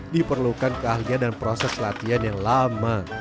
diperlukan keahlian dan proses latihan yang lama